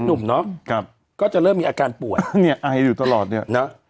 หนุ่มเนอะครับก็จะเริ่มมีอาการป่วยเนี้ยอายอยู่ตลอดเนี้ยเนอะ